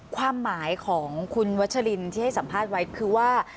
ความหมายของคุณวัชลินที่ให้สัมภาษณ์ไว้คือว่า